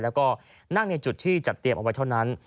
แล้วก็นั่งในจุดที่จัดเตรียมเอาไว้เท่านั้น